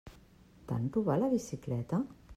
T'han robat la bicicleta?